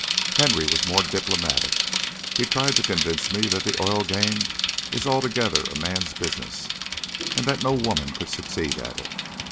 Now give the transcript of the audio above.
Henry was more diplomatic. He tried to convince me that the oil game is altogether a man's business and that no woman could succeed at it.